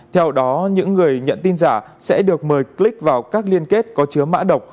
theo đó những người nhận tin giả sẽ được mời click vào các liên kết có chứa mã độc